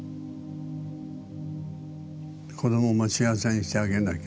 子どもも幸せにしてあげなきゃ。